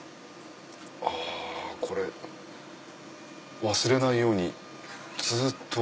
あこれ忘れないようにずっと。